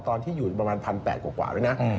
ตอนที่อยู่ประมาณ๑๘๐๐กว่าด้วยนะ